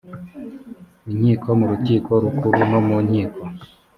inkiko mu rukiko rukuru no mu nkiko